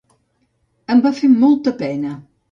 Em va fer molta pena.